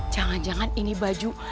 jangan jangan ini baju